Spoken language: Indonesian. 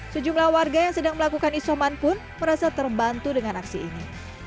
sejumlah warga yang sedang melakukan isoman pun merasa terbantu dengan aksi ini